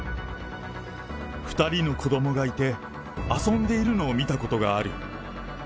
２人の子どもがいて、遊んでいるのを見たことがある。